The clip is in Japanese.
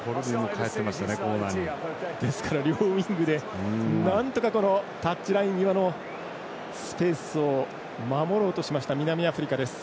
両ウイングでなんとかタッチライン際のスペースを守ろうとしました、南アフリカ。